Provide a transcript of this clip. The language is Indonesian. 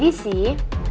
balik lagi ke daddy sih